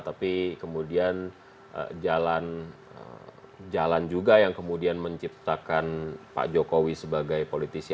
tapi kemudian jalan juga yang kemudian menciptakan pak jokowi sebagai politisi